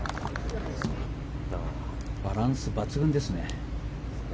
バランス抜群ですね。